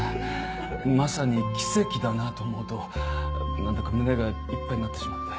まさに奇跡だなと思うとなんだか胸がいっぱいになってしまって。